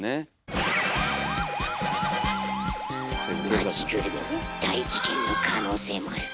町ぐるみの大事件の可能性もある。